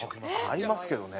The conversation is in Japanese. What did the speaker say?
合いますけどね。